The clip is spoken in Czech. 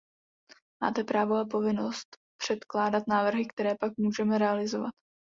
Máte právo a povinnost předkládat návrhy, které pak můžeme realizovat.